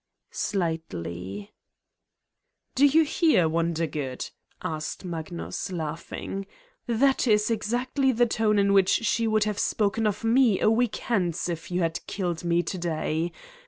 " "Slightly." "Do you hear, "Wondergood ?" asked Magnus, laughing. '' That is exactly the tone in which she would have spoken of me a week hence if you had killed me to day.